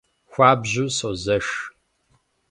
Хуабжьу созэш…